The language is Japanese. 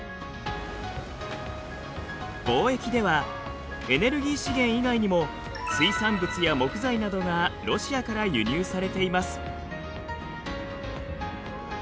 貿易ではエネルギー資源以外にも水産物や木材などがロシアから輸入されています。